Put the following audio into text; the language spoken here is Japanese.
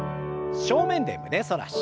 正面で胸反らし。